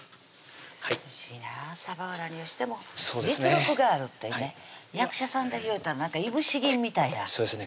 おいしいなぁさばは何をしても実力があるっていうね役者さんで言うたらいぶし銀みたいなそうですね